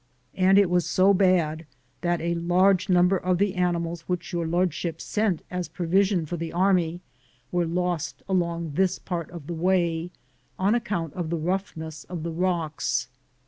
And it was so bad that a large number of the animals which Your Lordship sent as provision for the army were lost along this part of the way, on account of the roughness of the rocks.